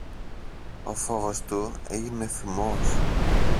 ο φόβος του έγινε θυμός.